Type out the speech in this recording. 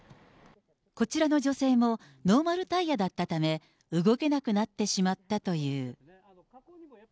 こちらの女性もノーマルタイヤだったため、動けなくなってしまったという。